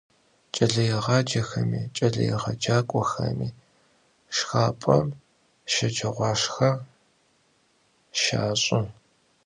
Ç'eleêğacexemi, ç'eleêcak'oxemi şşxap'em şeceğuaşşxe şaş'ı.